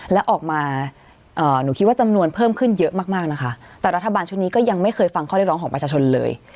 และออกมาหนูคิดว่าจำนวนเพิ่มขึ้นเยอะมากมากนะคะแต่รัฐบาลชุดนี้ก็ยังไม่เคยฟังข้อเรียกร้องของประชาชนเลย